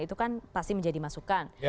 itu kan pasti menjadi masukan